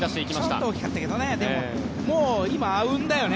ちょっと大きかったけどもう今、あうんだよね。